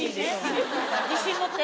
自信持って。